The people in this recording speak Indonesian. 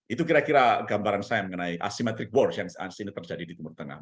itu kira kira gambaran saya mengenai asymmetric war yang seharusnya terjadi di timur tengah